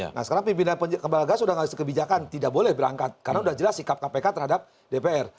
nah sekarang pimpinan kembang gas sudah tidak ada sekebijakan tidak boleh berangkat karena sudah jelas sikap kpk terhadap dpr